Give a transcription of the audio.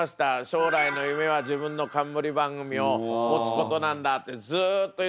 「将来の夢は自分の冠番組を持つことなんだ」ってずっと言ってました。